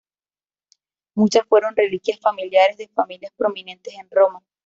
Muchas fueron reliquias familiares de familias prominentes en Roma.